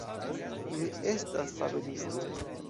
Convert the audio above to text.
Mi estas fabelisto.